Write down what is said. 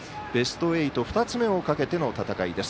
ベスト８、２つ目をかけての戦い。